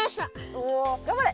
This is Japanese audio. おおがんばれ。